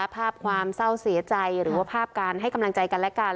ภาพความเศร้าเสียใจหรือว่าภาพการให้กำลังใจกันและกัน